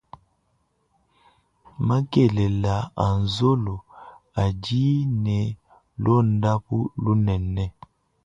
Makela a nzolo adi ne londampu lunene.